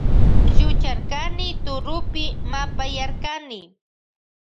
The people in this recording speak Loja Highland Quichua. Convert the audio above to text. Llucharkani turupi mapayarkani.